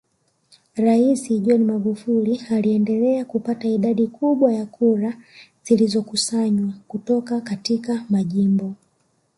Rais John Magufuli aliendelea kupata idadi kubwa ya kura zilizokusanywa kutoka katika majimbo